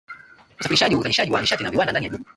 usafirishaji uzalishaji wa nishati na viwanda Ndani ya jiji